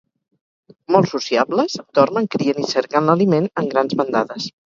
Molt sociables, dormen, crien i cerquen l'aliment en grans bandades.